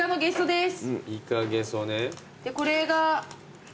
でこれが。